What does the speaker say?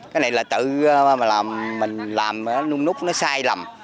cái này là tự mình làm núp núp nó sai lầm